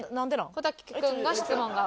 小瀧君が質問側。